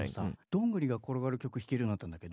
どんぐりが転がる曲弾けるようになったんだけど。